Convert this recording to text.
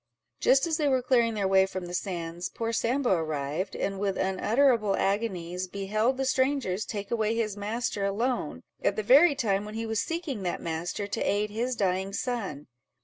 Just as they were clearing their way from the sands, poor Sambo arrived, and with unutterable agonies beheld the strangers take away his master alone, at the very time when he was seeking that master, to aid his dying son.